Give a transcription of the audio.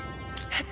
えっ？